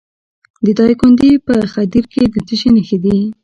د دایکنډي په خدیر کې د څه شي نښې دي؟